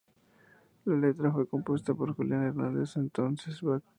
La letra fue compuesta por Julián Hernández, entonces batería del grupo.